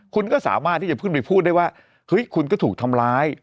คุณก็สามารถที่จะขึ้นไปพูดได้ว่าเฮ้ยคุณก็ถูกทำร้าย